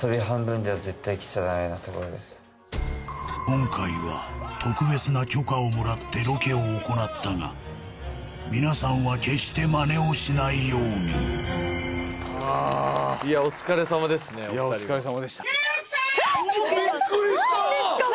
今回は特別な許可をもらってロケを行ったが皆さんは決してマネをしないようにいやお疲れさまですねお二人お疲れさまでしたビックリした！